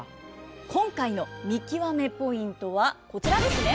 今回の見きわめポイントはこちらですね。